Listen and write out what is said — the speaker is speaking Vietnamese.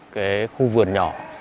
khu vườn nhỏ